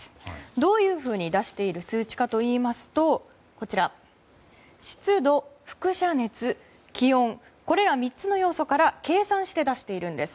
どういうふうに出している数値かといいますと湿度、輻射熱、気温これら３つの要素から計算して出しているんです。